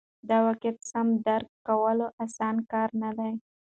د واقعیت سم درک کول اسانه کار نه دی.